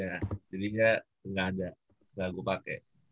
gak ada gak ada gak gue pake